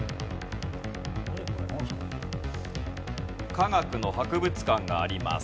科学の博物館があります。